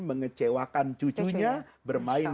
mengecewakan cucunya bermain